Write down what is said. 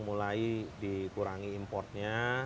mulai dikurangi importnya